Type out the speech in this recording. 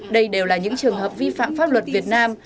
đây đều là những trường hợp vi phạm pháp luật việt nam